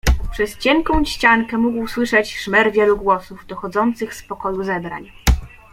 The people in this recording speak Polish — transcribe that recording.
"Przez cienką ściankę mógł słyszeć szmer wielu głosów, dochodzących z pokoju zebrań."